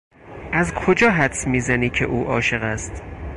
از کجا حدس میزنی که او عاشق است؟